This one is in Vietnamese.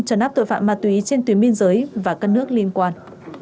trấn áp tội phạm ma túy trên tuyến biên giới và các nước liên quan